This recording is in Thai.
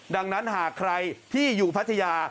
ดังนั้นหากใครที่อยู่พัทยา